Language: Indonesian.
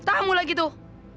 kamu lagi tuh